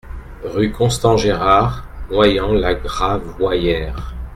Rue Constant Gérard, Noyant-la-Gravoyère